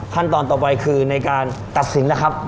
ขั้นตอนต่อไปคือในการตัดสินนะครับ